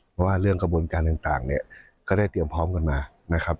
เพราะว่าเรื่องกระบวนการต่างเนี่ยก็ได้เตรียมพร้อมกันมานะครับ